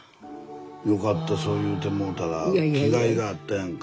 よかったそう言うてもろうたら来がいがあったやんか。